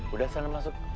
udah sana masuk